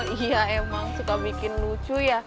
iya emang suka bikin lucu ya